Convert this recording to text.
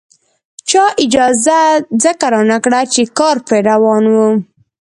چا اجازه ځکه رانکړه چې کار پرې روان وو.